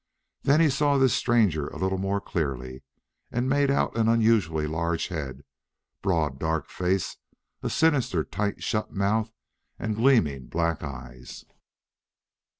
Then he saw this stranger a little more clearly, and made out an unusually large head, broad dark face, a sinister tight shut mouth, and gleaming black eyes.